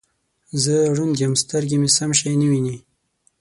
زه ړوند یم سترګې مې سم شی نه وینې